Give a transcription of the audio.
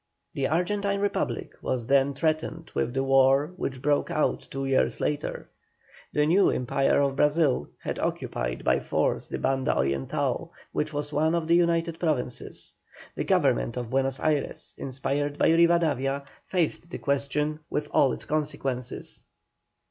The Argentine Republic was then threatened with the war which broke out two years later. The new Empire of Brazil had occupied by force the Banda Oriental, which was one of the United Provinces; the Government of Buenos Ayres, inspired by Rivadavia, faced the question with all its consequences.